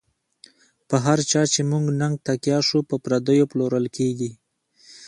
په هر چا چی مو نږ تکیه شو، پر پردیو پلورل کیږی